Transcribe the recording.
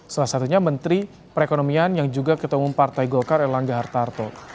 salah satunya menteri perekonomian yang juga ketemu partai golkar erlangga hartarto